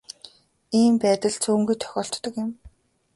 Ийм байдал цөөнгүй тохиолддог юм.